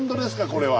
これは。